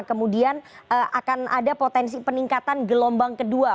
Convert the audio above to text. kemudian akan ada potensi peningkatan gelombang kedua